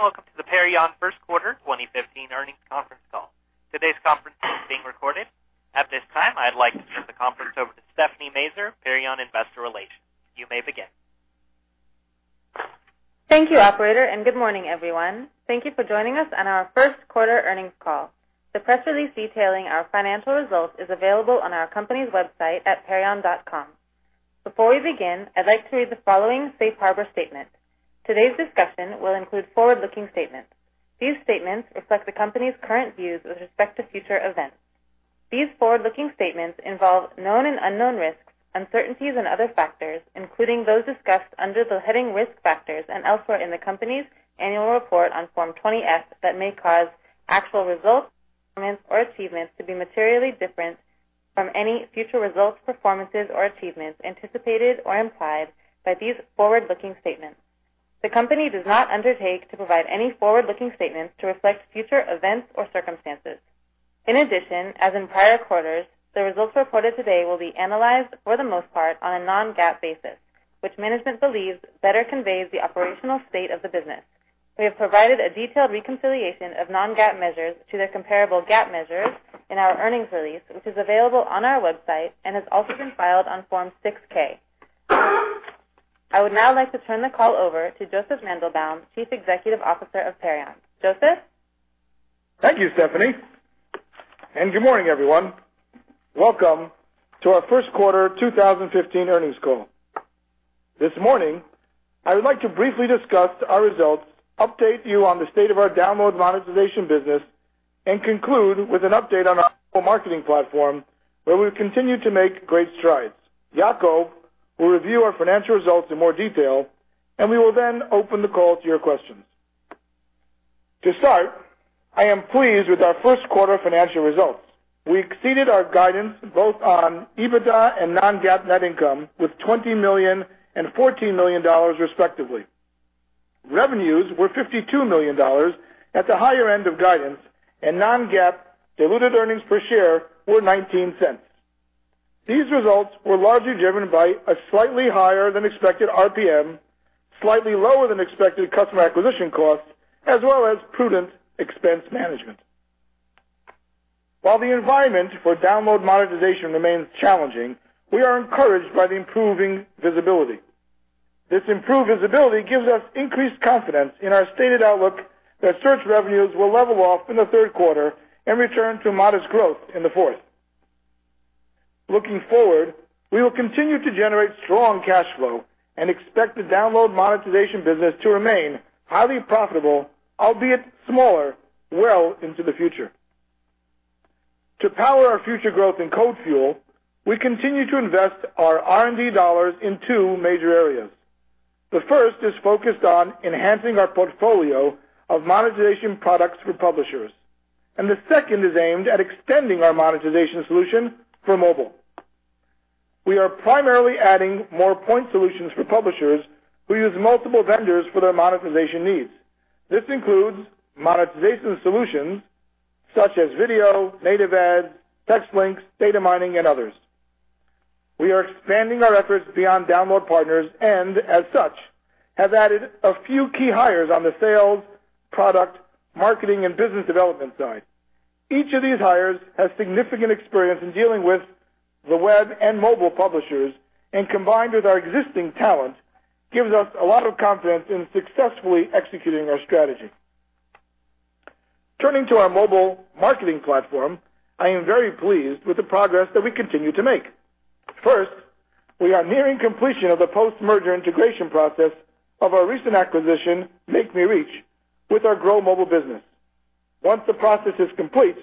Good day. Welcome to the Perion first quarter 2015 earnings conference call. Today's conference is being recorded. At this time, I'd like to turn the conference over to Stephanie Mazer, Perion Investor Relations. You may begin. Thank you, operator. Good morning, everyone. Thank you for joining us on our first quarter earnings call. The press release detailing our financial results is available on our company's website at perion.com. Before we begin, I'd like to read the following safe harbor statement. Today's discussion will include forward-looking statements. These statements reflect the company's current views with respect to future events. These forward-looking statements involve known and unknown risks, uncertainties and other factors, including those discussed under the heading Risk Factors and elsewhere in the company's annual report on Form 20-F that may cause actual results, performance, or achievements to be materially different from any future results, performances, or achievements anticipated or implied by these forward-looking statements. The company does not undertake to provide any forward-looking statements to reflect future events or circumstances. In addition, as in prior quarters, the results reported today will be analyzed for the most part on a non-GAAP basis, which management believes better conveys the operational state of the business. We have provided a detailed reconciliation of non-GAAP measures to their comparable GAAP measures in our earnings release, which is available on our website and has also been filed on Form 6-K. I would now like to turn the call over to Josef Mandelbaum, Chief Executive Officer of Perion. Josef? Thank you, Stephanie. Good morning, everyone. Welcome to our first quarter 2015 earnings call. This morning, I would like to briefly discuss our results, update you on the state of our download monetization business. Conclude with an update on our mobile marketing platform, where we've continued to make great strides. Yacov will review our financial results in more detail. We will then open the call to your questions. To start, I am pleased with our first quarter financial results. We exceeded our guidance both on EBITDA and non-GAAP net income with $20 million and $14 million, respectively. Revenues were $52 million at the higher end of guidance and non-GAAP diluted earnings per share were $0.19. These results were largely driven by a slightly higher than expected RPM, slightly lower than expected customer acquisition costs, as well as prudent expense management. While the environment for download monetization remains challenging, we are encouraged by the improving visibility. This improved visibility gives us increased confidence in our stated outlook that search revenues will level off in the third quarter and return to modest growth in the fourth. Looking forward, we will continue to generate strong cash flow and expect the download monetization business to remain highly profitable, albeit smaller, well into the future. To power our future growth in CodeFuel, we continue to invest our R&D dollars in two major areas. The first is focused on enhancing our portfolio of monetization products for publishers, and the second is aimed at extending our monetization solution for mobile. We are primarily adding more point solutions for publishers who use multiple vendors for their monetization needs. This includes monetization solutions such as video, native ads, text links, data mining, and others. We are expanding our efforts beyond download partners and as such, have added a few key hires on the sales, product, marketing, and business development side. Each of these hires has significant experience in dealing with the web and mobile publishers, and combined with our existing talent, gives us a lot of confidence in successfully executing our strategy. Turning to our mobile marketing platform, I am very pleased with the progress that we continue to make. First, we are nearing completion of the post-merger integration process of our recent acquisition, MakeMeReach, with our GrowMobile business. Once the process is complete,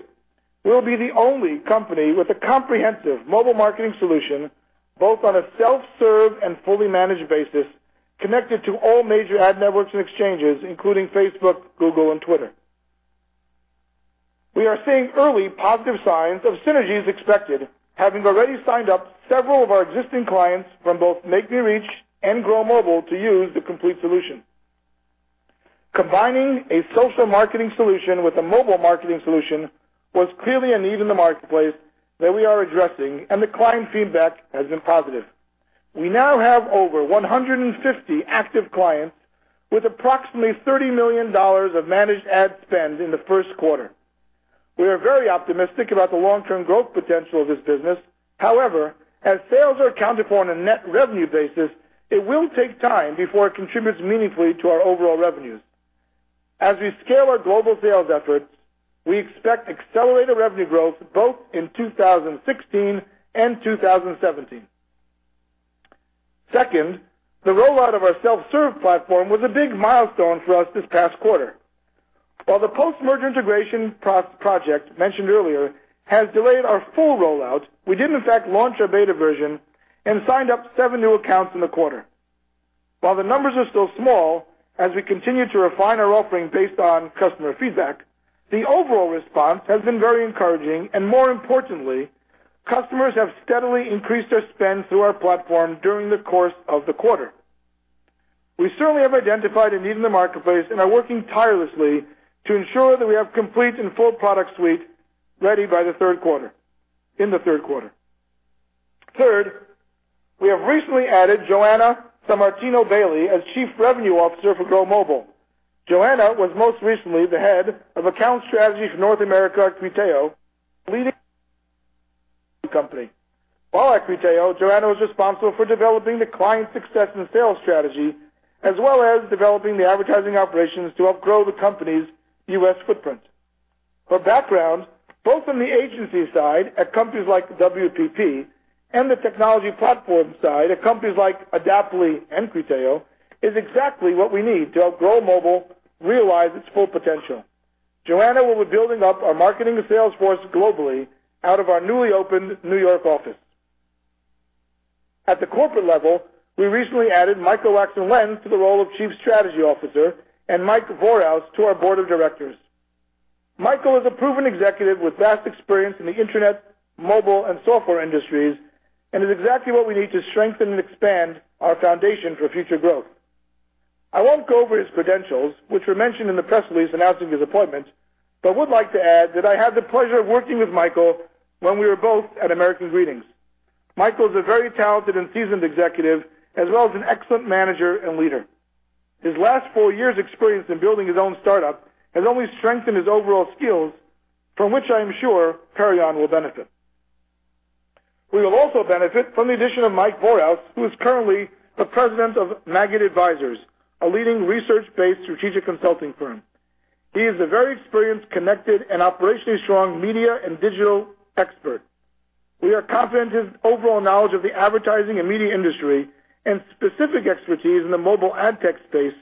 we'll be the only company with a comprehensive mobile marketing solution, both on a self-serve and fully managed basis, connected to all major ad networks and exchanges, including Facebook, Google, and Twitter. We are seeing early positive signs of synergies expected, having already signed up several of our existing clients from both MakeMeReach and GrowMobile to use the complete solution. Combining a social marketing solution with a mobile marketing solution was clearly a need in the marketplace that we are addressing, and the client feedback has been positive. We now have over 150 active clients with approximately $30 million of managed ad spend in the first quarter. We are very optimistic about the long-term growth potential of this business. As sales are accounted for on a net revenue basis, it will take time before it contributes meaningfully to our overall revenues. As we scale our global sales efforts, we expect accelerated revenue growth both in 2016 and 2017. Second, the rollout of our self-serve platform was a big milestone for us this past quarter. While the post-merger integration project mentioned earlier has delayed our full rollout, we did in fact launch our beta version and signed up seven new accounts in the quarter. While the numbers are still small, as we continue to refine our offering based on customer feedback, the overall response has been very encouraging, and more importantly, customers have steadily increased their spend through our platform during the course of the quarter. We certainly have identified a need in the marketplace and are working tirelessly to ensure that we have complete and full product suite ready in the third quarter. Third, we have recently added Joanna Sammartino Bailey as Chief Revenue Officer for GrowMobile. Joanna was most recently the Head of Account Strategy for North America at Criteo, a leading company. While at Criteo, Joanna was responsible for developing the client success and sales strategy, as well as developing the advertising operations to help grow the company's U.S. footprint. Her background, both on the agency side at companies like WPP and the technology platform side at companies like Adaptly and Criteo, is exactly what we need to help Grow Mobile realize its full potential. Joanna will be building up our marketing and sales force globally out of our newly opened New York office. At the corporate level, we recently added Michael Axelrod to the role of Chief Strategy Officer and Mike Vorhaus to our board of directors. Michael is a proven executive with vast experience in the internet, mobile, and software industries and is exactly what we need to strengthen and expand our foundation for future growth. I won't go over his credentials, which were mentioned in the press release announcing his appointment, would like to add that I had the pleasure of working with Michael when we were both at American Greetings. Michael is a very talented and seasoned executive, as well as an excellent manager and leader. His last four years' experience in building his own startup has only strengthened his overall skills, from which I am sure Perion will benefit. We will also benefit from the addition of Mike Vorhaus, who is currently the President of Magid Advisors, a leading research-based strategic consulting firm. He is a very experienced, connected, and operationally strong media and digital expert. We are confident his overall knowledge of the advertising and media industry and specific expertise in the mobile ad tech space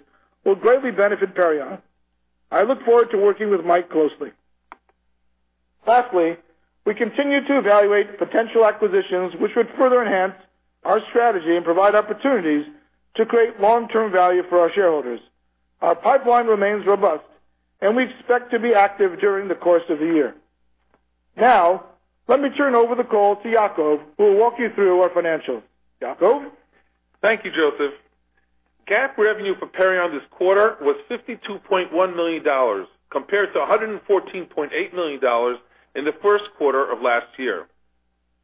will greatly benefit Perion. I look forward to working with Mike closely. Lastly, we continue to evaluate potential acquisitions which would further enhance our strategy and provide opportunities to create long-term value for our shareholders. Our pipeline remains robust, and we expect to be active during the course of the year. Let me turn over the call to Yacov, who will walk you through our financials. Yacov? Thank you, Josef. GAAP revenue for Perion this quarter was $52.1 million compared to $114.8 million in the first quarter of last year.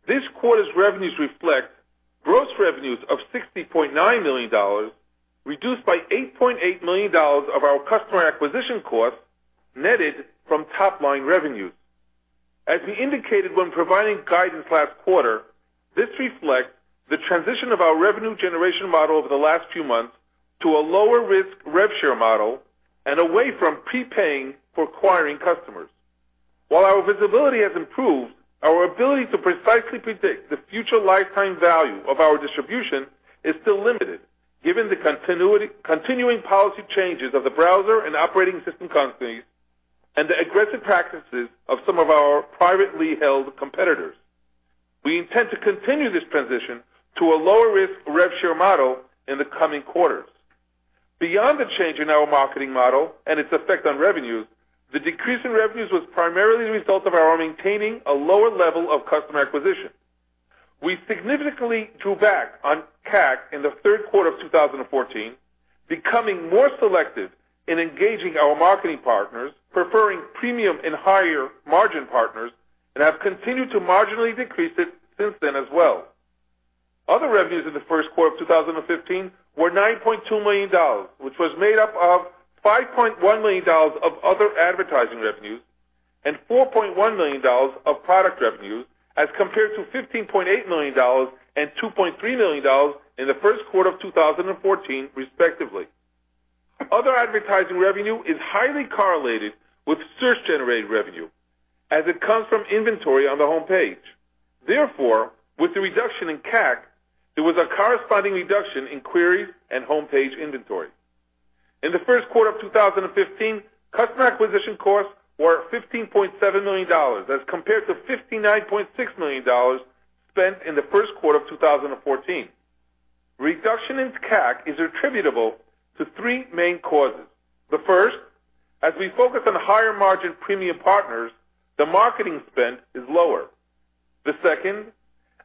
This quarter's revenues reflect gross revenues of $60.9 million, reduced by $8.8 million of our customer acquisition costs, netted from top-line revenues. We indicated when providing guidance last quarter, this reflects the transition of our revenue generation model over the last few months to a lower-risk rev share model and away from prepaying for acquiring customers. Our visibility has improved, our ability to precisely predict the future lifetime value of our distribution is still limited, given the continuing policy changes of the browser and operating system companies and the aggressive practices of some of our privately held competitors. We intend to continue this transition to a lower-risk rev share model in the coming quarters. Beyond the change in our marketing model and its effect on revenues, the decrease in revenues was primarily the result of our maintaining a lower level of customer acquisition. We significantly drew back on CAC in the third quarter of 2014, becoming more selective in engaging our marketing partners, preferring premium and higher-margin partners, and have continued to marginally decrease it since then as well. Other revenues in the first quarter of 2015 were $9.2 million, which was made up of $5.1 million of other advertising revenues and $4.1 million of product revenues, as compared to $15.8 million and $2.3 million in the first quarter of 2014, respectively. Other advertising revenue is highly correlated with search-generated revenue, as it comes from inventory on the homepage. With the reduction in CAC, there was a corresponding reduction in queries and homepage inventory. In the first quarter of 2015, customer acquisition costs were $15.7 million as compared to $59.6 million spent in the first quarter of 2014. Reduction in CAC is attributable to three main causes. The first, as we focus on higher-margin premium partners, the marketing spend is lower. The second,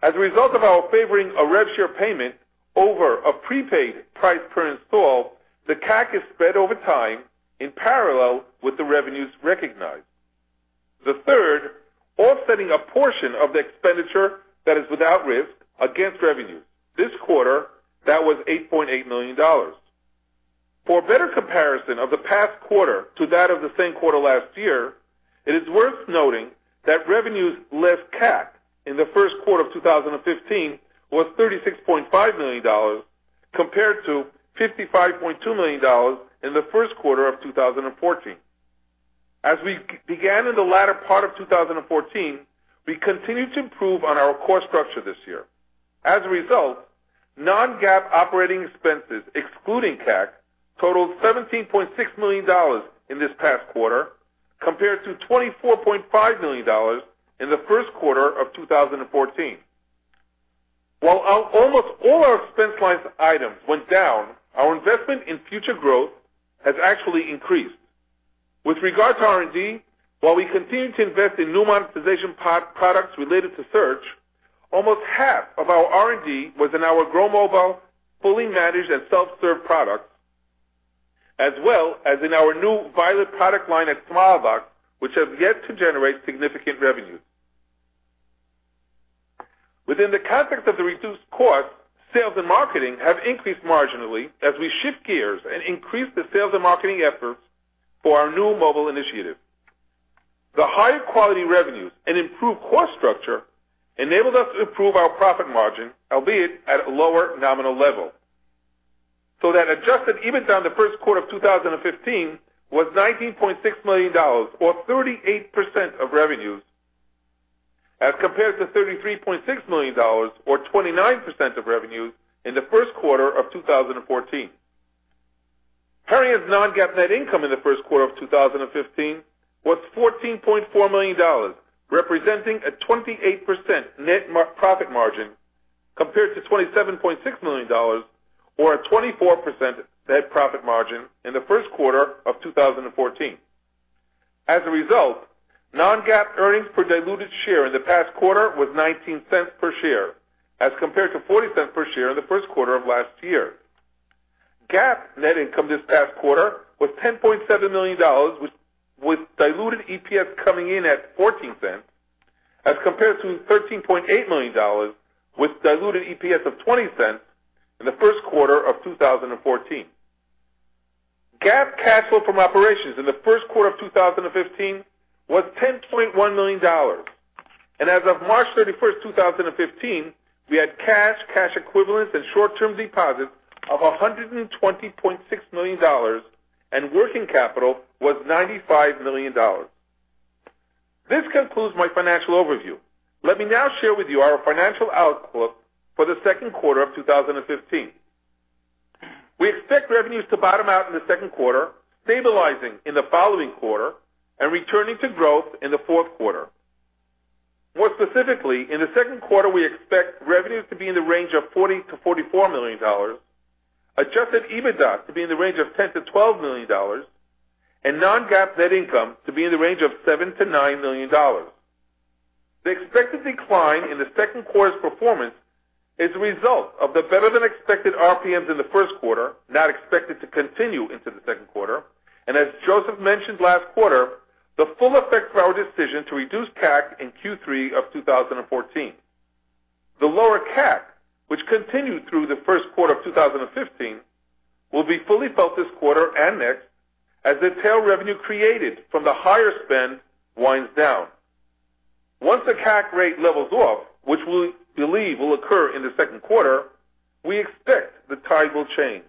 as a result of our favoring a rev share payment over a prepaid price per install, the CAC is spread over time in parallel with the revenues recognized. The third, offsetting a portion of the expenditure that is without risk against revenue. This quarter, that was $8.8 million. For a better comparison of the past quarter to that of the same quarter last year, it is worth noting that revenues less CAC in the first quarter of 2015 was $36.5 million, compared to $55.2 million in the first quarter of 2014. We began in the latter part of 2014, we continued to improve on our cost structure this year. Non-GAAP operating expenses excluding CAC totaled $17.6 million in this past quarter compared to $24.5 million in the first quarter of 2014. Almost all our expense line items went down, our investment in future growth has actually increased. With regard to R&D, while we continue to invest in new monetization products related to search, almost half of our R&D was in our Grow Mobile fully managed and self-serve product as well as in our new Violet product line at Smilebox, which have yet to generate significant revenue. Within the context of the reduced cost, sales and marketing have increased marginally as we shift gears and increase the sales and marketing efforts for our new mobile initiative. The higher quality revenues and improved cost structure enabled us to improve our profit margin, albeit at a lower nominal level. Adjusted EBITDA in the first quarter of 2015 was $19.6 million, or 38% of revenues, as compared to $33.6 million, or 29% of revenues in the first quarter of 2014. Perion's non-GAAP net income in the first quarter of 2015 was $14.4 million, representing a 28% net profit margin, compared to $27.6 million, or a 24% net profit margin in the first quarter of 2014. Non-GAAP earnings per diluted share in the past quarter was $0.19 per share as compared to $0.40 per share in the first quarter of last year. GAAP net income this past quarter was $10.7 million, with diluted EPS coming in at $0.14 as compared to $13.8 million with diluted EPS of $0.20 in the first quarter of 2014. GAAP cash flow from operations in the first quarter of 2015 was $10.1 million. As of March 31st, 2015, we had cash equivalents, and short-term deposits of $120.6 million, and working capital was $95 million. This concludes my financial overview. Let me now share with you our financial outlook for the second quarter of 2015. We expect revenues to bottom out in the second quarter, stabilizing in the following quarter, and returning to growth in the fourth quarter. More specifically, in the second quarter, we expect revenues to be in the range of $40 million-$44 million, adjusted EBITDA to be in the range of $10 million-$12 million, and non-GAAP net income to be in the range of $7 million-$9 million. The expected decline in the second quarter's performance is a result of the better-than-expected RPMs in the first quarter, not expected to continue into the second quarter, and as Josef mentioned last quarter, the full effect of our decision to reduce CAC in Q3 of 2014. The lower CAC, which continued through the first quarter of 2015, will be fully felt this quarter and next as the tail revenue created from the higher spend winds down. Once the CAC rate levels off, which we believe will occur in the second quarter, we expect the tide will change.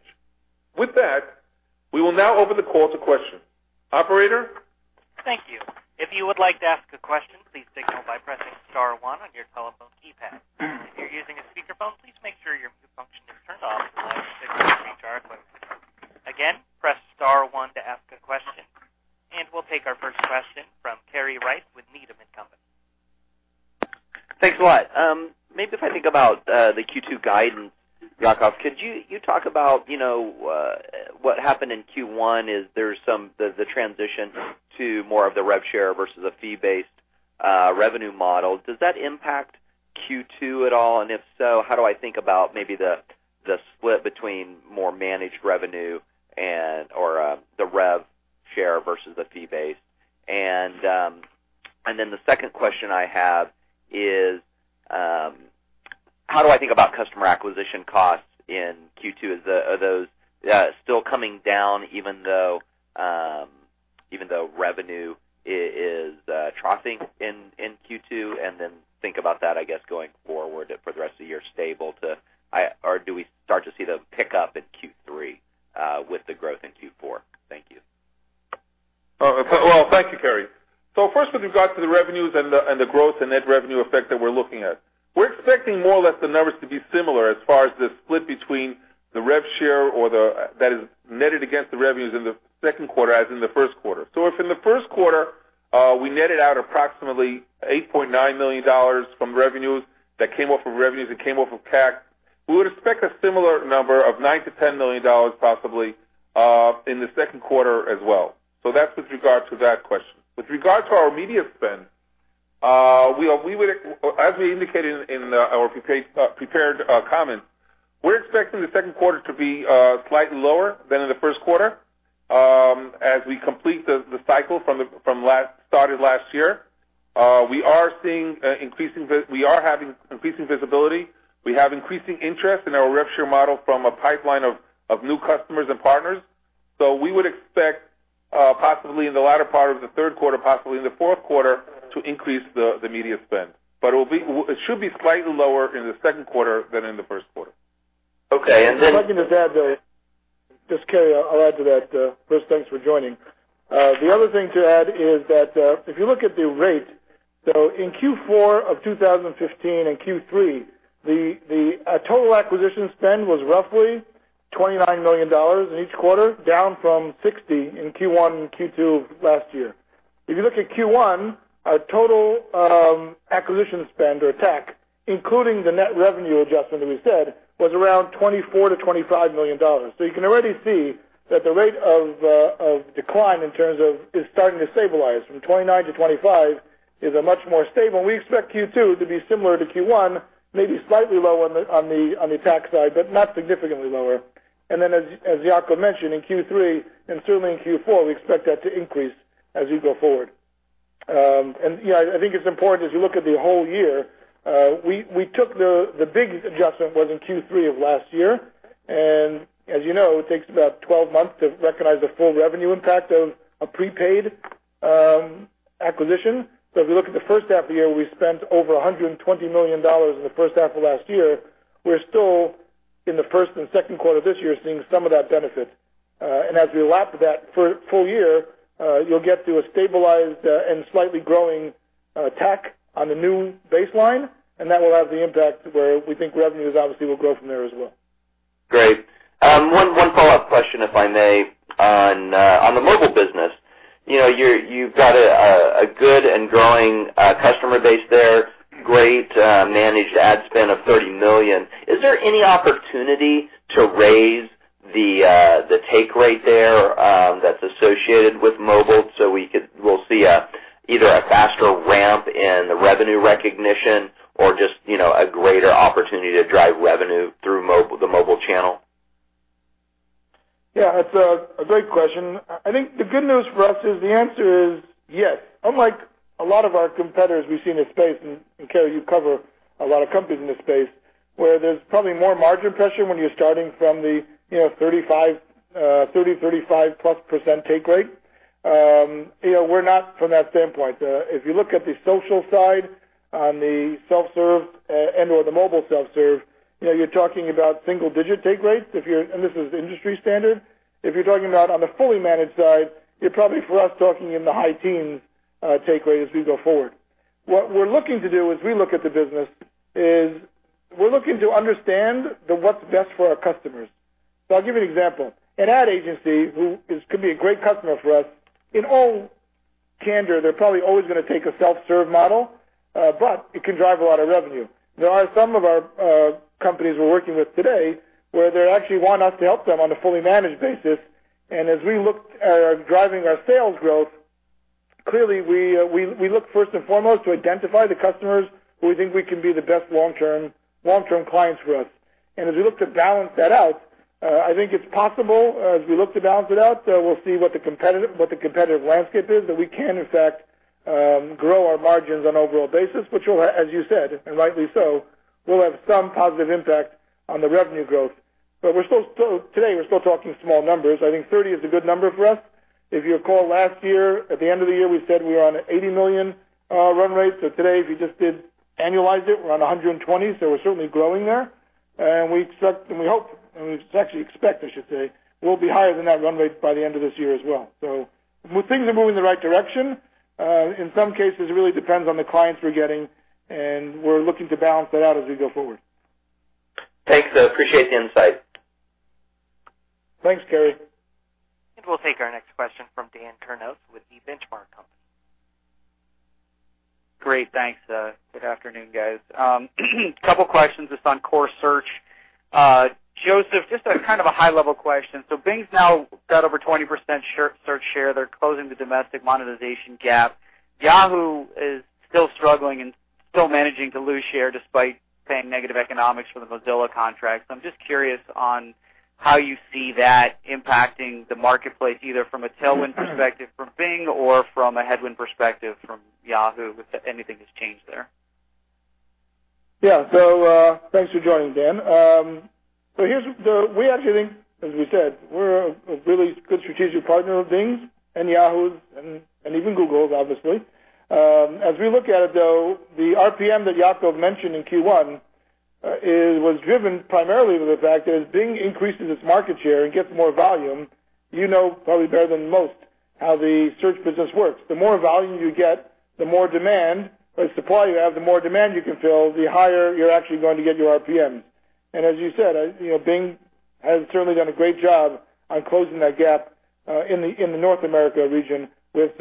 With that, we will now open the call to questions. Operator? Thank you. If you would like to ask a question, please signal by pressing star one on your telephone keypad. If you're using a speakerphone, please make sure your mute function is turned off so as to not interfere with our equipment. Again, press star one to ask a question. We'll take our first question from Kerry Rice with Needham & Company. Thanks a lot. Maybe if I think about the Q2 guidance, Yacov, could you talk about what happened in Q1? Is there some transition to more of the rev share versus a fee-based revenue model? Does that impact Q2 at all? If so, how do I think about maybe the split between more managed revenue or the rev share versus the fee-based? The second question I have is, how do I think about customer acquisition costs in Q2? Are those still coming down even though revenue is troughing in Q2? Think about that, I guess, going forward for the rest of the year, stable, or do we start to see the pickup in Q3 with the growth in Q4? Thank you. Well, thank you, Kerry. First, with regard to the revenues and the growth and net revenue effect that we're looking at. We're expecting more or less the numbers to be similar as far as the split between the rev share, or that is netted against the revenues in the second quarter as in the first quarter. If in the first quarter, we netted out approximately $8.9 million from revenues that came off of revenues, that came off of CAC, we would expect a similar number of $9 million to $10 million possibly in the second quarter as well. That's with regard to that question. With regard to our media spend, as we indicated in our prepared comments, we're expecting the second quarter to be slightly lower than in the first quarter, as we complete the cycle started last year. We are having increasing visibility. We have increasing interest in our rev share model from a pipeline of new customers and partners. We would expect, possibly in the latter part of the third quarter, possibly in the fourth quarter, to increase the media spend. It should be slightly lower in the second quarter than in the first quarter. Okay. If I can just add there. Kerry, I'll add to that. First, thanks for joining. The other thing to add is that, if you look at the rate, in Q4 of 2015 and Q3, the total acquisition spend was roughly $29 million in each quarter, down from $60 million in Q1 and Q2 of last year. If you look at Q1, our total acquisition spend, or TAC, including the net revenue adjustment that we said, was around $24 million to $25 million. You can already see that the rate of decline is starting to stabilize. From $29 million to $25 million is a much more stable. We expect Q2 to be similar to Q1, maybe slightly lower on the TAC side, but not significantly lower. As Yacov mentioned, in Q3 and certainly in Q4, we expect that to increase as we go forward. Yeah, I think it's important as you look at the whole year, the big adjustment was in Q3 of last year. As you know, it takes about 12 months to recognize the full revenue impact of a prepaid acquisition. If you look at the first half of the year, we spent over $120 million in the first half of last year. We're still in the first and second quarter of this year, seeing some of that benefit. As we lap that full year, you'll get to a stabilized and slightly growing TAC on the new baseline, and that will have the impact where we think revenues obviously will grow from there as well. Great. One follow-up question, if I may, on the mobile business. You've got a good and growing customer base there, great managed ad spend of $30 million. Is there any opportunity to raise the take rate there that's associated with mobile, we'll see either a faster ramp in the revenue recognition or just a greater opportunity to drive revenue through the mobile channel? Yeah, it's a great question. I think the good news for us is the answer is yes. Unlike a lot of our competitors we've seen in this space, and Kerry, you cover a lot of companies in this space, where there's probably more margin pressure when you're starting from the 30%, 35% plus take rate. We're not from that standpoint. If you look at the social side, on the self-serve and/or the mobile self-serve, you're talking about single-digit take rates, and this is industry standard. If you're talking about on the fully managed side, you're probably, for us, talking in the high teens take rate as we go forward. What we're looking to do as we look at the business is, we're looking to understand what's best for our customers. I'll give you an example. An ad agency who could be a great customer for us, in all candor, they're probably always going to take a self-serve model, but it can drive a lot of revenue. There are some of our companies we're working with today where they actually want us to help them on a fully managed basis, as we look at driving our sales growth, clearly, we look first and foremost to identify the customers who we think we can be the best long-term clients for us. As we look to balance that out, I think it's possible as we look to balance it out, we'll see what the competitive landscape is, that we can in fact, grow our margins on an overall basis, which will, as you said, and rightly so, will have some positive impact on the revenue growth. Today, we're still talking small numbers. I think 30 is a good number for us. If you recall last year, at the end of the year, we said we were on an $80 million run rate. Today, if you just did annualize it, we're on $120 million. We're certainly growing there. We expect, and we hope, and we actually expect, I should say, we'll be higher than that run rate by the end of this year as well. Things are moving in the right direction. In some cases, it really depends on the clients we're getting, and we're looking to balance that out as we go forward. Thanks. Appreciate the insight. Thanks, Cary. We'll take our next question from Daniel Kurnos with The Benchmark Company. Great, thanks. Good afternoon, guys. Couple questions just on core search. Joseph, just a kind of a high-level question. Bing's now got over 20% search share. They're closing the domestic monetization gap. Yahoo is still struggling and still managing to lose share despite paying negative economics for the Mozilla contract. I'm just curious on how you see that impacting the marketplace, either from a tailwind perspective from Bing or from a headwind perspective from Yahoo, if anything has changed there. Yeah. So, thanks for joining, Dan. We actually think, as we said, we're a really good strategic partner of Bing's and Yahoo's, and even Google's, obviously. As we look at it, though, the RPM that Yacov mentioned in Q1 was driven primarily with the fact that as Bing increases its market share and gets more volume, you know probably better than most how the search business works. The more volume you get, the more demand or supply you have, the more demand you can fill, the higher you're actually going to get your RPM. As you said, Bing has certainly done a great job on closing that gap in the North America region with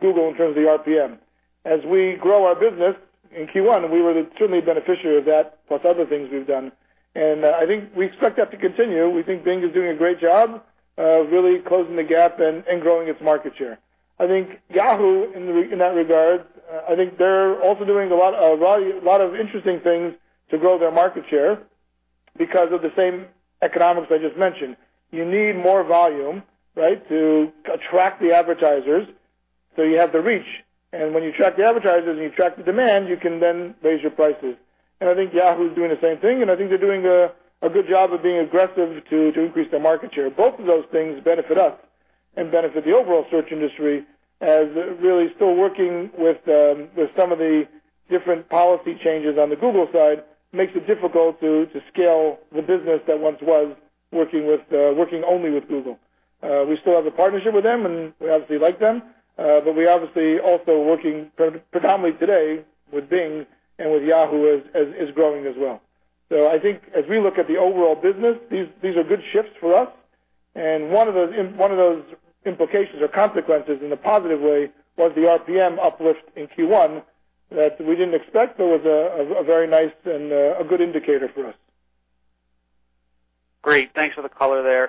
Google in terms of the RPM. As we grow our business in Q1, and we were certainly a beneficiary of that, plus other things we've done. I think we expect that to continue. We think Bing is doing a great job of really closing the gap and growing its market share. I think Yahoo, in that regard, I think they're also doing a lot of interesting things to grow their market share because of the same economics I just mentioned. You need more volume, right, to attract the advertisers so you have the reach. When you attract the advertisers and you attract the demand, you can then raise your prices. I think Yahoo is doing the same thing, and I think they're doing a good job of being aggressive to increase their market share. Both of those things benefit us and benefit the overall search industry as really still working with some of the different policy changes on the Google side, makes it difficult to scale the business that once was working only with Google. We still have a partnership with them. We obviously like them. We're obviously also working predominantly today with Bing and with Yahoo as growing as well. I think as we look at the overall business, these are good shifts for us. One of those implications or consequences in a positive way was the RPM uplift in Q1 that we didn't expect but was a very nice and a good indicator for us. Great. Thanks for the color there.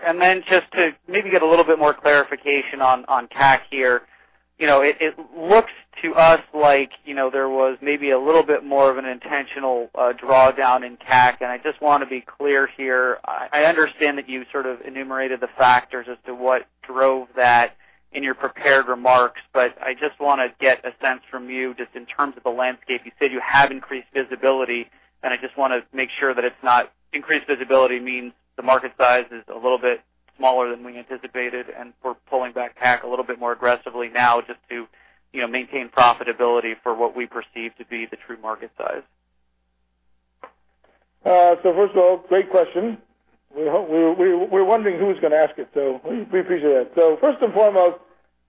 Just to maybe get a little bit more clarification on CAC here. It looks to us like there was maybe a little bit more of an intentional drawdown in CAC. I just want to be clear here. I understand that you sort of enumerated the factors as to what drove that in your prepared remarks. I just want to get a sense from you just in terms of the landscape. You said you have increased visibility. I just want to make sure that it's not increased visibility means the market size is a little bit smaller than we anticipated, and we're pulling back CAC a little bit more aggressively now just to maintain profitability for what we perceive to be the true market size. First of all, great question. We were wondering who was going to ask it. We appreciate it. First and foremost,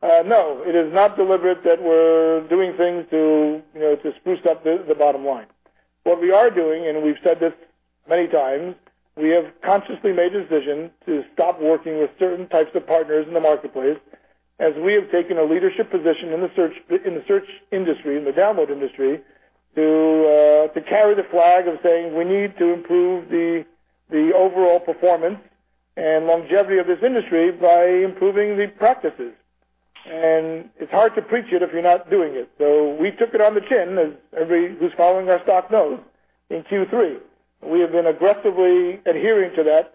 no, it is not deliberate that we're doing things to spruce up the bottom line. What we are doing, we've said this many times, we have consciously made a decision to stop working with certain types of partners in the marketplace as we have taken a leadership position in the search industry, in the download industry, to carry the flag of saying we need to improve the overall performance and longevity of this industry by improving the practices. It's hard to preach it if you're not doing it. We took it on the chin, as everybody who's following our stock knows, in Q3. We have been aggressively adhering to that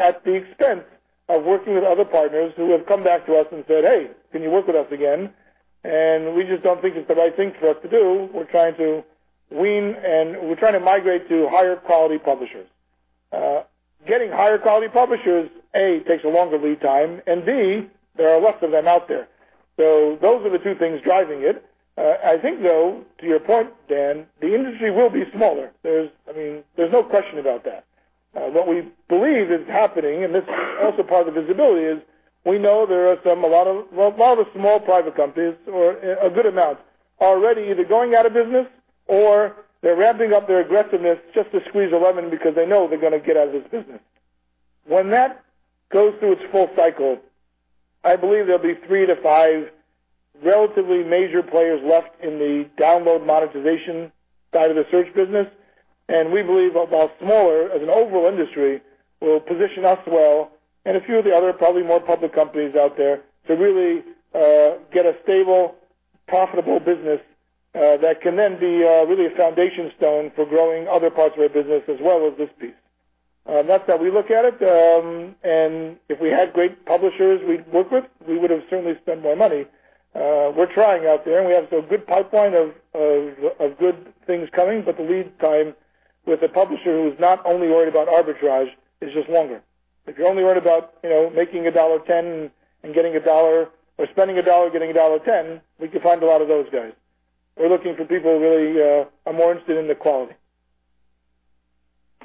at the expense of working with other partners who have come back to us and said, "Hey, can you work with us again?" We just don't think it's the right thing for us to do. We're trying to wean, and we're trying to migrate to higher-quality publishers. Getting higher-quality publishers, A, takes a longer lead time, and B, there are less of them out there. Those are the two things driving it. I think, though, to your point, Dan, the industry will be smaller. There's no question about that. What we believe is happening, this is also part of visibility, is we know there are a lot of small private companies, or a good amount, already either going out of business or they're ramping up their aggressiveness just to squeeze a lemon because they know they're going to get out of this business. When that goes through its full cycle, I believe there'll be three to five relatively major players left in the download monetization side of the search business. We believe although smaller as an overall industry, will position us well and a few of the other, probably more public companies out there to really get a stable, profitable business that can then be really a foundation stone for growing other parts of our business as well as this piece. That's how we look at it. If we had great publishers we'd work with, we would've certainly spent more money. We're trying out there, and we have a good pipeline of good things coming, but the lead time with a publisher who's not only worried about arbitrage is just longer. If you only worry about making $1.10 and getting $1, or spending $1 getting $1.10, we could find a lot of those guys. We're looking for people who really are more interested in the quality.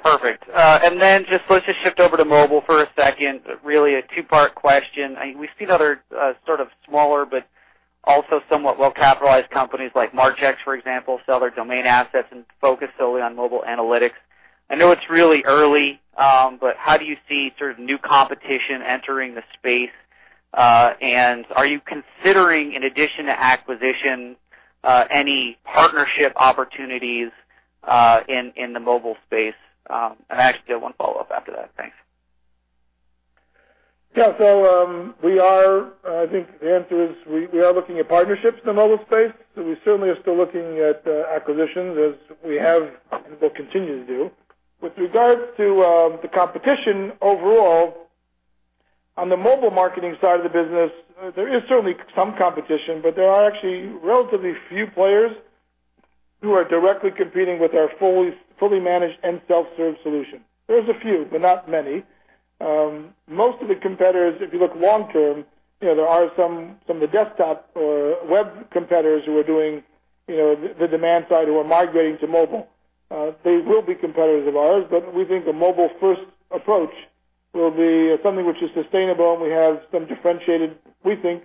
Perfect. Then just let's just shift over to mobile for a second. Really a two-part question. We've seen other sort of smaller but also somewhat well-capitalized companies like Marchex, for example, sell their domain assets and focus solely on mobile analytics. I know it's really early, but how do you see sort of new competition entering the space? Are you considering, in addition to acquisition, any partnership opportunities in the mobile space? I actually have one follow-up after that. Thanks. Yeah. I think the answer is we are looking at partnerships in the mobile space. We certainly are still looking at acquisitions as we have and will continue to do. With regards to the competition overall, on the mobile marketing side of the business, there is certainly some competition, but there are actually relatively few players who are directly competing with our fully managed and self-serve solution. There's a few, but not many. Most of the competitors, if you look long term, there are some of the desktop web competitors who are doing the demand side who are migrating to mobile. They will be competitors of ours, but we think the mobile-first approach will be something which is sustainable, and we have some differentiated, we think,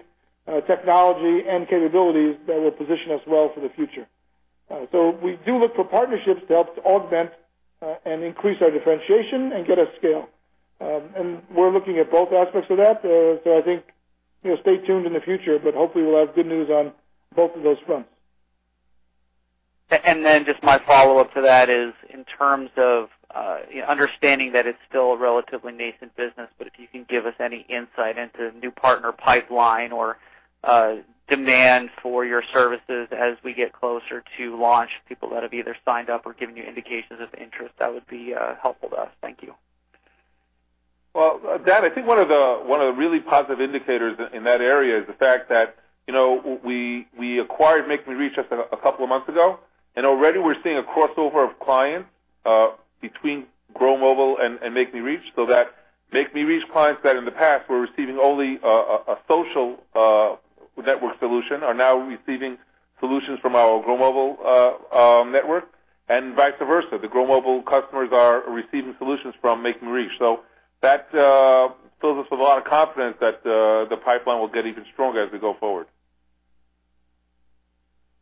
technology and capabilities that will position us well for the future. We do look for partnerships to help to augment and increase our differentiation and get us scale. We're looking at both aspects of that. I think, stay tuned in the future, but hopefully we'll have good news on both of those fronts. Then just my follow-up to that is in terms of understanding that it's still a relatively nascent business, but if you can give us any insight into new partner pipeline or demand for your services as we get closer to launch, people that have either signed up or given you indications of interest, that would be helpful to us. Thank you. Well, Dan, I think one of the really positive indicators in that area is the fact that we acquired MakeMeReach just a couple of months ago, and already we're seeing a crossover of clients between GrowMobile and MakeMeReach. That MakeMeReach clients that in the past were receiving only a social network solution are now receiving solutions from our GrowMobile network and vice versa. The GrowMobile customers are receiving solutions from MakeMeReach. That fills us with a lot of confidence that the pipeline will get even stronger as we go forward.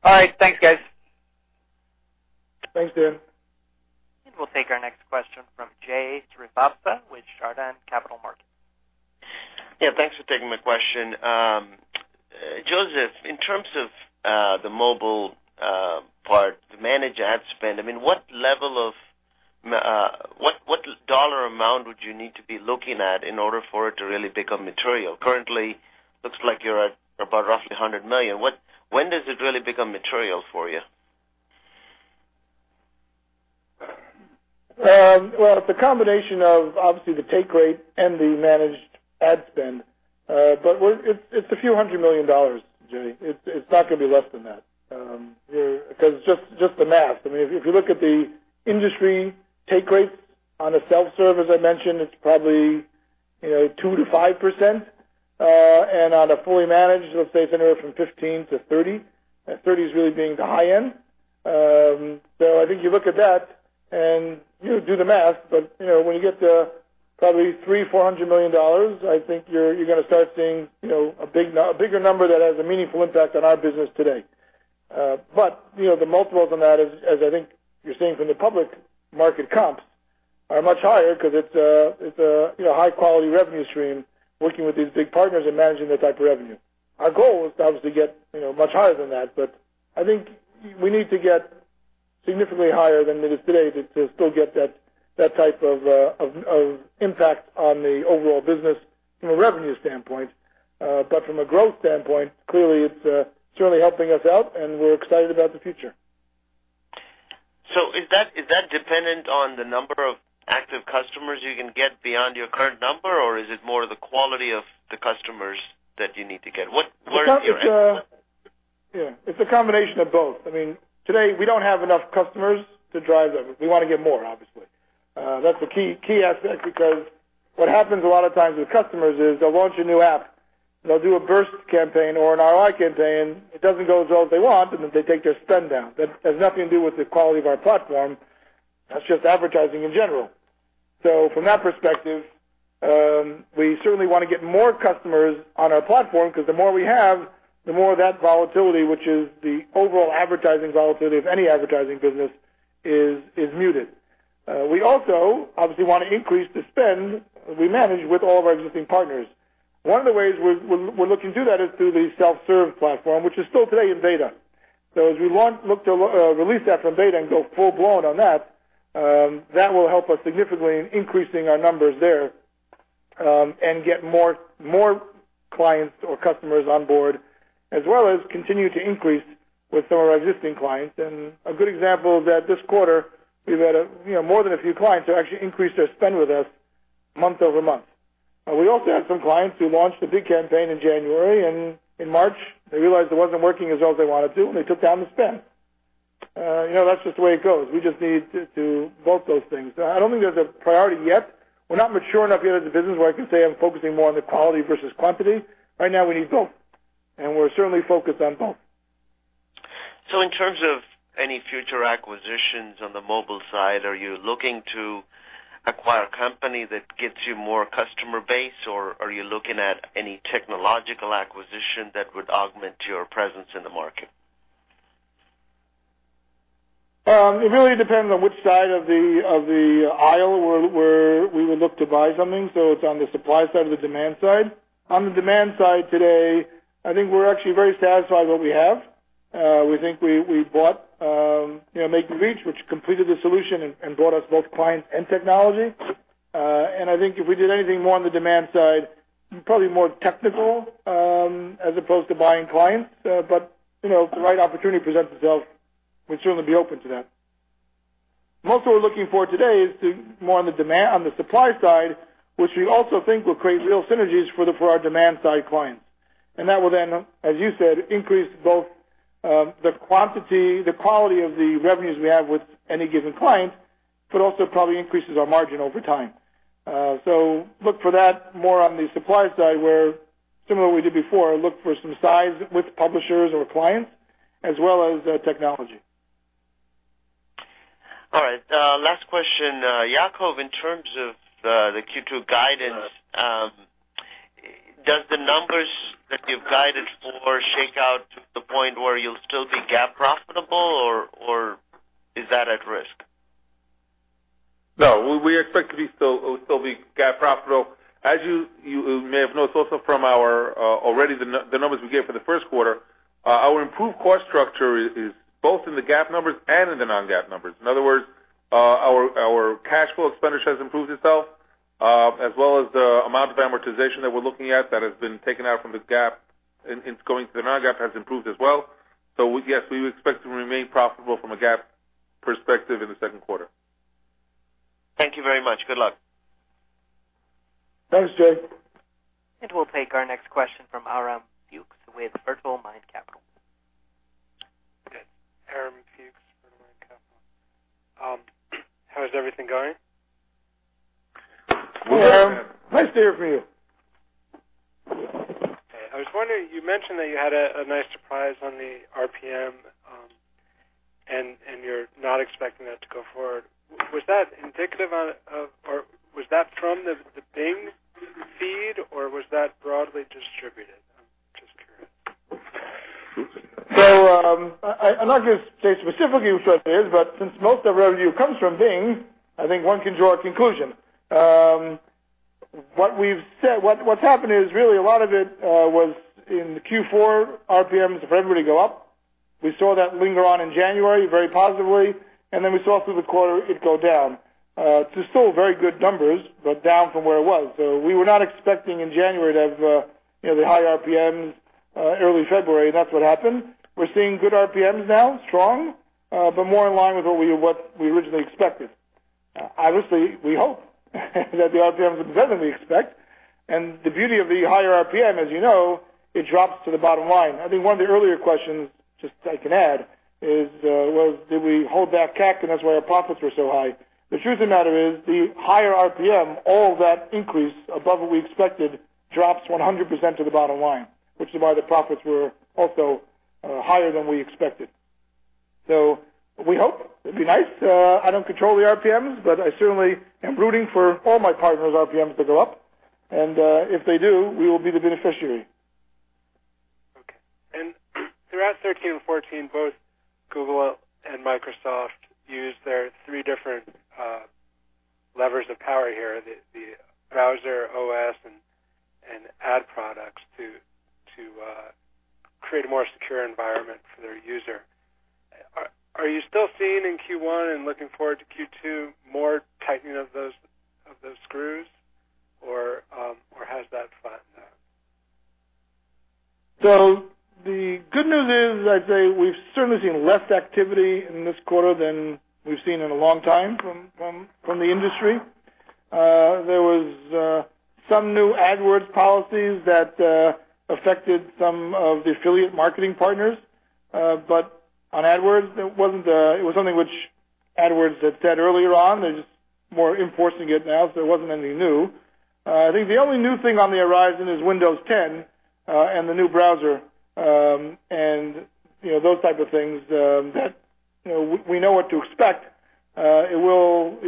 All right. Thanks, guys. Thanks, Dan. We'll take our next question from Jay Srivatsa with Chardan Capital Markets. Yeah, thanks for taking my question. Joseph, in terms of the mobile part, the managed ad spend, what dollar amount would you need to be looking at in order for it to really become material? Currently, looks like you're at about roughly $100 million. When does it really become material for you? Well, it's a combination of obviously the take rate and the managed ad spend. It's a few hundred million dollars, Jay. It's not going to be less than that. Just the math. If you look at the industry take rates on a self-serve, as I mentioned, it's probably 2%-5%. On a fully managed, let's say it's anywhere from 15%-30%, and 30% is really being the high end. I think you look at that, and you do the math, but when you get to probably $300 million, $400 million, I think you're going to start seeing a bigger number that has a meaningful impact on our business today. The multiples on that, as I think you're seeing from the public market comps, are much higher because it's a high-quality revenue stream working with these big partners and managing that type of revenue. Our goal is to obviously get much higher than that, I think we need to get significantly higher than it is today to still get that type of impact on the overall business from a revenue standpoint. From a growth standpoint, clearly it's certainly helping us out, and we're excited about the future. Is that dependent on the number of active customers you can get beyond your current number, or is it more the quality of the customers that you need to get? Where is your emphasis? It's a combination of both. Today, we don't have enough customers to drive revenue. We want to get more, obviously. That's the key aspect because what happens a lot of times with customers is they'll launch a new app, they'll do a burst campaign or an ROI campaign. It doesn't go as well as they want, and then they take their spend down. That has nothing to do with the quality of our platform. That's just advertising in general. From that perspective, we certainly want to get more customers on our platform because the more we have, the more that volatility, which is the overall advertising volatility of any advertising business, is muted. We also obviously want to increase the spend we manage with all of our existing partners. One of the ways we're looking to do that is through the self-serve platform, which is still today in beta. As we look to release that from beta and go full-blown on that will help us significantly in increasing our numbers there, get more clients or customers on board, as well as continue to increase with some of our existing clients. A good example of that, this quarter, we've had more than a few clients who actually increased their spend with us month-over-month. We also had some clients who launched a big campaign in January, and in March, they realized it wasn't working as well as they wanted to, and they took down the spend. That's just the way it goes. We just need to do both those things. I don't think there's a priority yet. We're not mature enough yet as a business where I can say I'm focusing more on the quality versus quantity. Right now, we need both. We're certainly focused on both. In terms of any future acquisitions on the mobile side, are you looking to acquire a company that gets you more customer base, or are you looking at any technological acquisition that would augment your presence in the market? It really depends on which side of the aisle where we would look to buy something. It's on the supply side or the demand side. On the demand side today, I think we're actually very satisfied with what we have. We think we bought MakeMeReach, which completed the solution and brought us both clients and technology. I think if we did anything more on the demand side, probably more technical, as opposed to buying clients. If the right opportunity presents itself, we'd certainly be open to that. Mostly what we're looking for today is more on the supply side, which we also think will create real synergies for our demand-side clients. That will then, as you said, increase both the quality of the revenues we have with any given client, but also probably increases our margin over time. Look for that more on the supply side, where similar to what we did before, look for some size with publishers or clients, as well as technology. All right. Last question. Yacov, in terms of the Q2 guidance, does the numbers that you've guided for shake out to the point where you'll still be GAAP profitable, or is that at risk? No. We expect to still be GAAP profitable. As you may have noticed also from already the numbers we gave for the first quarter, our improved cost structure is both in the GAAP numbers and in the non-GAAP numbers. In other words, our cash flow expenditure has improved itself, as well as the amount of amortization that we're looking at that has been taken out from the GAAP and going to the non-GAAP has improved as well. Yes, we expect to remain profitable from a GAAP perspective in the second quarter. Thank you very much. Good luck. Thanks, Jay. We'll take our next question from Aram Fuchs with Fertilemind Capital. Good. Aram Fuchs, Virtual Mind Capital. How is everything going? Well. Nice to hear from you. Okay. I was wondering, you mentioned that you had a nice surprise on the RPM, and you're not expecting that to go forward. Was that from the Bing feed, or was that broadly distributed? I'm just curious. I'm not going to say specifically which one it is, but since most of the revenue comes from Bing, I think one can draw a conclusion. What's happened is really a lot of it was in Q4, RPMs for everybody go up. We saw that linger on in January very positively, and then we saw through the quarter it go down, to still very good numbers, but down from where it was. We were not expecting in January to have the high RPMs Early February, that's what happened. We're seeing good RPMs now, strong, but more in line with what we originally expected. Obviously, we hope that the RPMs are better than we expect. The beauty of the higher RPM, as you know, it drops to the bottom line. I think one of the earlier questions, just I can add, is, well, did we hold back CAC, and that's why our profits were so high? The truth of the matter is, the higher RPM, all that increase above what we expected drops 100% to the bottom line, which is why the profits were also higher than we expected. We hope. It'd be nice. I don't control the RPMs, but I certainly am rooting for all my partners' RPMs to go up. If they do, we will be the beneficiary. Okay. Throughout 2013 and 2014, both Google and Microsoft used their three different levers of power here, the browser, OS, and ad products to create a more secure environment for their user. Are you still seeing in Q1 and looking forward to Q2 more tightening of those screws, or has that flattened out? The good news is, I'd say we've certainly seen less activity in this quarter than we've seen in a long time from the industry. There was some new AdWords policies that affected some of the affiliate marketing partners. On AdWords, it was something which AdWords had said earlier on. They're just more enforcing it now, so it wasn't anything new. I think the only new thing on the horizon is Windows 10, and the new browser, and those type of things, that we know what to expect. We'll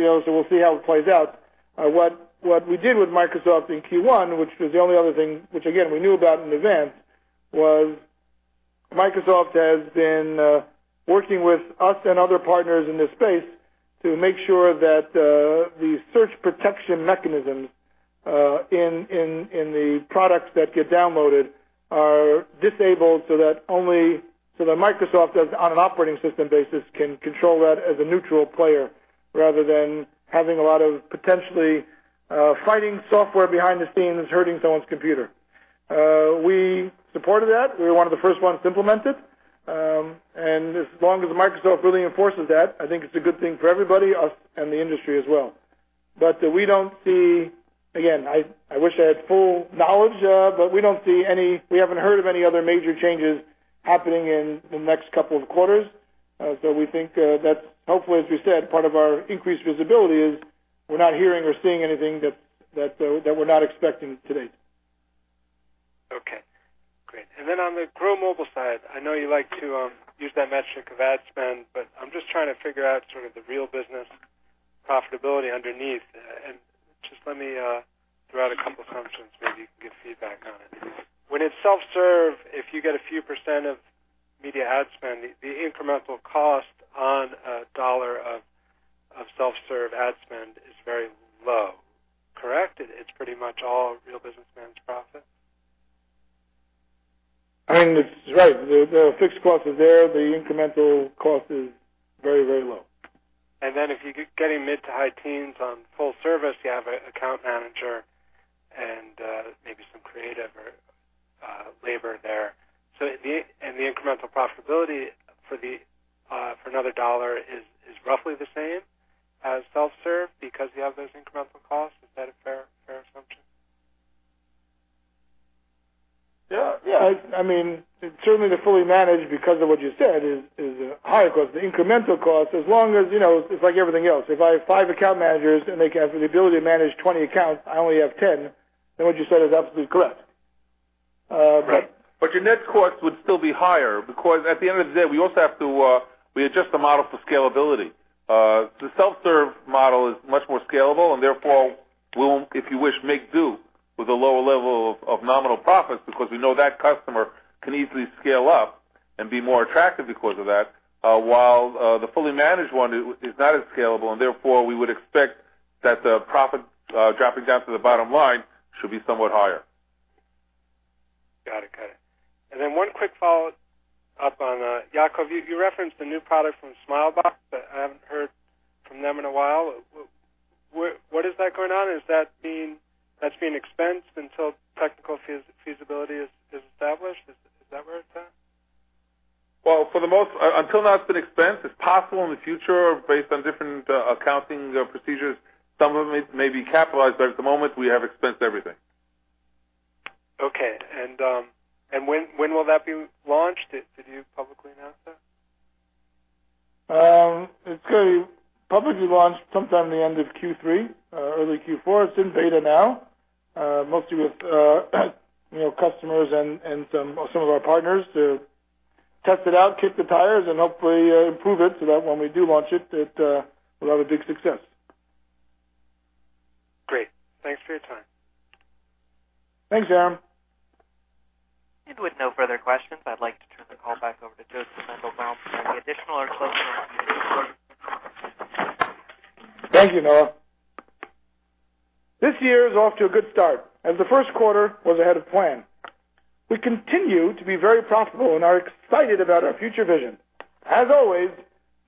see how it plays out. What we did with Microsoft in Q1, which was the only other thing, which again, we knew about in advance, was Microsoft has been working with us and other partners in this space to make sure that the search protection mechanisms, in the products that get downloaded are disabled so that Microsoft, on an operating system basis, can control that as a neutral player, rather than having a lot of potentially fighting software behind the scenes that's hurting someone's computer. We supported that. We were one of the first ones to implement it. As long as Microsoft really enforces that, I think it's a good thing for everybody, us, and the industry as well. We don't see, again, I wish I had full knowledge, but we haven't heard of any other major changes happening in the next couple of quarters. We think that's hopefully, as we said, part of our increased visibility is we're not hearing or seeing anything that we're not expecting to date. Okay, great. On the Grow Mobile side, I know you like to use that metric of ad spend, but I'm just trying to figure out sort of the real business profitability underneath. Just let me throw out a couple assumptions, maybe you can give feedback on it. When it's self-serve, if you get a few % of media ad spend, the incremental cost on a $1 of self-serve ad spend is very low. Correct? It's pretty much all real businessman's profit. Right. The fixed cost is there. The incremental cost is very low. If you're getting mid to high teens on full service, you have an account manager and maybe some creative or labor there. The incremental profitability for another $1 is roughly the same as self-serve because you have those incremental costs. Is that a fair assumption? Yeah. Certainly the fully managed, because of what you said, is higher cost. The incremental cost, as long as, it's like everything else. If I have five account managers and they have the ability to manage 20 accounts, I only have 10, then what you said is absolutely correct. Right. Your net cost would still be higher because at the end of the day, we adjust the model for scalability. The self-serve model is much more scalable and therefore will, if you wish, make do with a lower level of nominal profits because we know that customer can easily scale up and be more attractive because of that. While the fully managed one is not as scalable and therefore we would expect that the profit dropping down to the bottom line should be somewhat higher. Got it. One quick follow-up on, Yacov, you referenced a new product from Smilebox that I haven't heard from them in a while. What is that going on? Is that being expensed until technical feasibility is established? Is that where it's at? Well, until now it's been expensed. It's possible in the future, based on different accounting procedures, some of it may be capitalized, but at the moment, we have expensed everything. Okay. When will that be launched? Did you publicly announce that? It's going to be publicly launched sometime the end of Q3, early Q4. It's in beta now, mostly with customers and some of our partners to test it out, kick the tires, and hopefully improve it so that when we do launch it will have a big success. Great. Thanks for your time. Thanks, Aram. With no further questions, I'd like to turn the call back over to Josef Mandelbaum for any additional or closing remarks. Thank you, Noah. This year is off to a good start, and the first quarter was ahead of plan. We continue to be very profitable and are excited about our future vision. As always,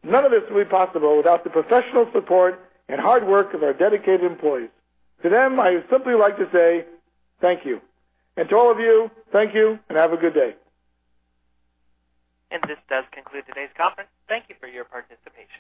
none of this would be possible without the professional support and hard work of our dedicated employees. To them, I simply like to say thank you. To all of you, thank you and have a good day. This does conclude today's conference. Thank you for your participation.